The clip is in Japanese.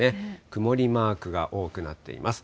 曇りマークが多くなっています。